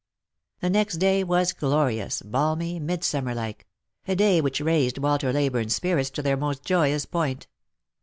The next day was glorious, balmy, midsummer like ; a day which raised Walter Leybume's spirits to their most joyous point.